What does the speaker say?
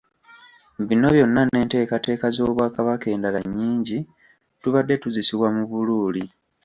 Bino byonna n’enteekateeka z’Obwakabaka endala nnyingi tubadde tuzisubwa mu Buluuli.